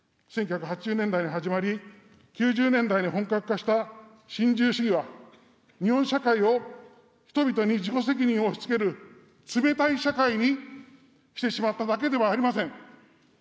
１９８０年代に始まり、９０年代に本格化した新自由主義は、日本社会を人々に自己責任を押しつける、冷たい社会にしてしまっただけではありません。